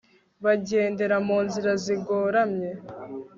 Bagendera mu nzira zigoramye